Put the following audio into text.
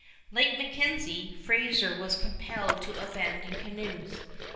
Like MacKenzie, Fraser was compelled to abandon canoes.